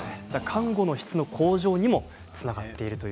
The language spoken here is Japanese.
看護の質の向上にもつながっていると。